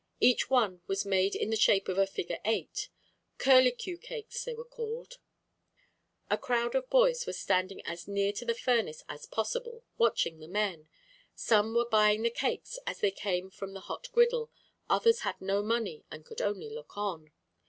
Each one was made in the shape of the figure 8. Curlicue cakes, they were called. A crowd of boys was standing as near to the furnace as possible, watching the men. Some were buying the cakes as they came from the hot griddle; others had no money and could only look on.